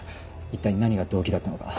一体何が動機だったのか。